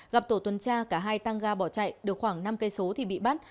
gặp tổ tuần tra cả hai tăng ga bỏ chạy được khoảng năm km thì bị bắt